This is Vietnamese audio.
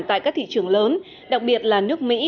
tại các thị trường lớn đặc biệt là nước mỹ